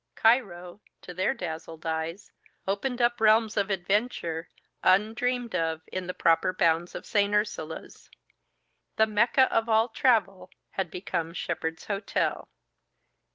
Cairo, to their dazzled eyes, opened up realms of adventure, undreamed of in the proper bounds of St. Ursula's. The Mecca of all travel had become Shepherd's Hotel.